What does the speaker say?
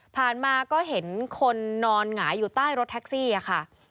มาก็เห็นคนนอนหงายอยู่ใต้รถแท็กซี่ค่ะ